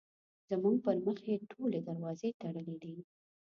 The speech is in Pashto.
زموږ پر مخ یې ټولې دروازې تړلې دي.